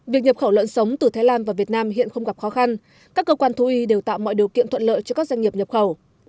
việc nhập khẩu lợn sống từ thái lan vào việt nam hiện không gặp khó khăn các cơ quan thú y đều tạo mọi điều kiện thuận lợi cho các doanh nghiệp nhập khẩu